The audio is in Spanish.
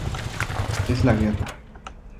Es la guerra".